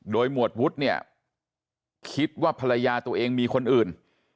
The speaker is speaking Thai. โดยหวดวุฒิเนี่ยคิดว่าภรรยาตัวเองมีคนอื่น